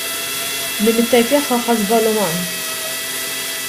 Min ittajpjaha ħa żball uman.